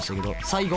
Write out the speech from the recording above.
最後。